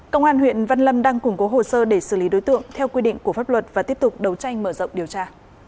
công an huyện văn lâm đang củng cố hồ sơ để xử lý đối tượng theo quy định của pháp luật và tiếp tục đấu tranh mở rộng điều tra